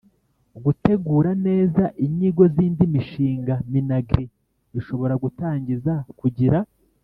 Gutegura neza inyigo z indi mishinga minagri ishobora gutangiza kugira